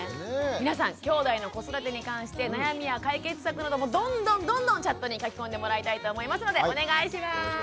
皆さんきょうだいの子育てに関して悩みや解決策などもどんどんどんどんチャットに書き込んでもらいたいと思いますのでお願いします。